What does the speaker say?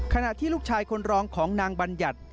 ขณะที่ลูกชายคนรองของนางบัญญัติ